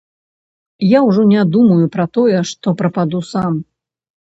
Я ўжо не думаю пра тое, што прападу сам.